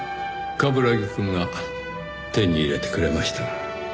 冠城くんが手に入れてくれました。